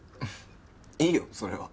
いいよそれは。